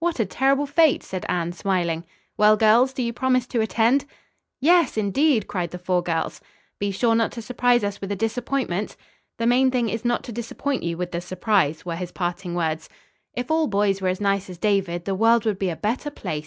"What a terrible fate," said Anne smiling. "Well, girls? do you promise to attend?" "Yes? indeed!" cried the four girls. "Be sure not to surprise us with a disappointment." "The main thing is not to disappoint you with the surprise," were his parting words. "If all boys were as nice as David the world would be a better place!"